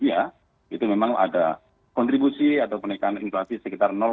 itu memang ada kontribusi atau kenaikan inflasi sekitar